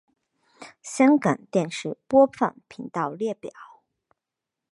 香港电视播放频道列表